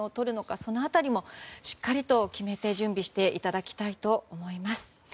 その辺りもしっかりと決めて準備していただきたいと思います。